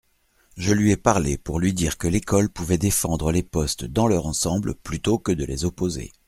Je lui ai parlé pour lui dire que l’école pouvait défendre les postes dans leur ensemble plutôt que de les opposer.